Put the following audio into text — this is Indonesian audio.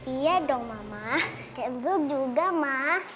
iya dong mama kenzo juga ma